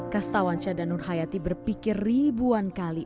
kastawan syah dan nur hayati berpikir ribuan kali